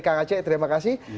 kang aceh terima kasih